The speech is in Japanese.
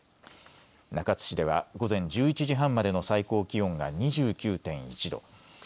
中津市では午前１１時半までの最高気温が２９．１度。